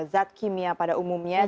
zat kimia pada umumnya